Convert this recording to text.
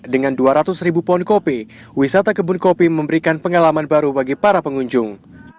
dengan dua ratus ribu pohon kopi wisata kebun kopi memberikan pengalaman baru bagi para pengunjung